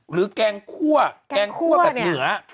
หรือแกงคั่วแบบเหนื้อ